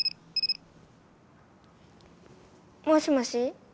もしもし？